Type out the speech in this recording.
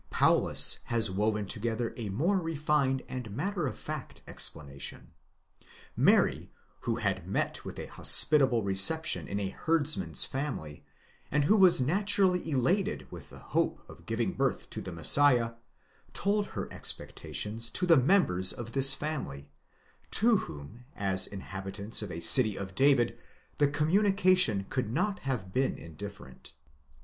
9 Paulus has woven together a more refined and matter of fact explanation. Mary, who had met with a hospitable reception in a herdsman's family, and who was naturally elated with the hope of giving birth to the Messiah, told her expectations to the members of this family; to whom as inhabitants of a city of David the communication could not have been in different.